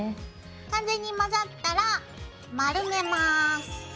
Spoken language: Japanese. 完全に混ざったら丸めます。